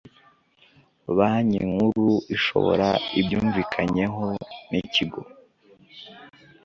banki nkuru ishobora ibyumvikanyeho n ikigo